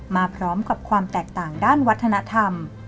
มาพร้อมกับความแตกต่างด้านวัฒนธรรม